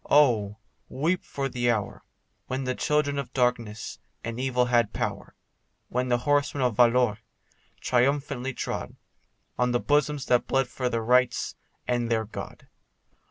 Oh! weep for the hour, When the children of darkness and evil had power, When the horsemen of Valois triumphantly trod On the bosoms that bled for their rights and their God.